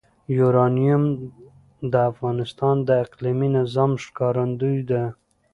یورانیم د افغانستان د اقلیمي نظام ښکارندوی ده.